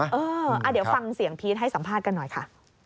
เดี๋ยวฟังเสียงพีชให้สัมภาษณ์กันหน่อยค่ะ